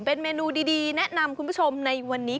เป็นเมนูดีแนะนำคุณผู้ชมในวันนี้